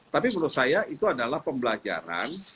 tapi menurut saya itu adalah pembelajaran